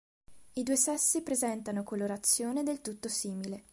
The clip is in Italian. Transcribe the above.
I due sessi presentano colorazione del tutto simile.